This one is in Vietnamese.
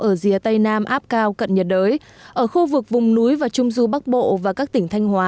ở dìa tây nam áp cao cận nhiệt đới ở khu vực vùng núi và trung du bắc bộ và các tỉnh thanh hóa